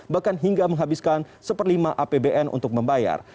bahkan hingga menghabiskan satu per lima apbn untuk membayar